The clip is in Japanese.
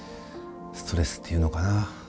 ストレスって言うのかな？